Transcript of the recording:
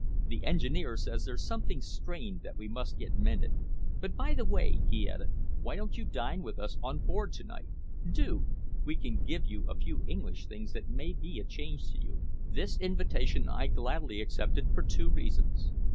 The engineer says there's something strained that we must get mended. But, by the way," he added, "why don't you dine with us on board to night? Do. We can give you a few English things that may be a change to you." This invitation I gladly accepted for two reasons.